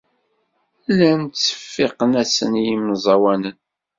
Llan ttseffiqen-asen i yemẓawanen.